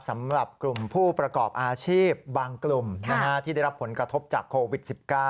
สำหรับกลุ่มผู้ประกอบอาชีพบางกลุ่มที่ได้รับผลกระทบจากโควิด๑๙